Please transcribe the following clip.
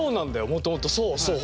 もともとそうそう。